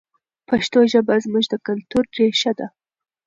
پښتو ژبه زموږ د کلتور ریښه ده.